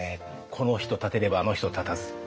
この人立てればあの人立たず。